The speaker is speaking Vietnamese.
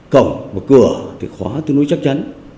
cổng và cửa thì khóa tương đối chắc chắn